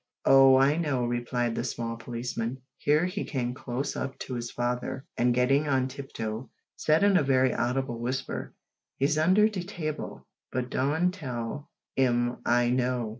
"Oh! I know," replied the small policeman here he came close up to his father, and, getting on tiptoe, said in a very audible whisper, "he's under de table, but don' tell 'im I know.